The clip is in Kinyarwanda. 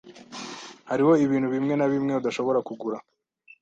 Hariho ibintu bimwe na bimwe udashobora kugura.